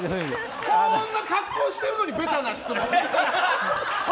こんな格好してるのにベタな質問。